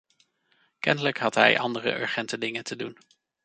Kennelijk had hij andere urgente dingen te doen.